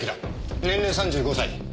年齢３５歳。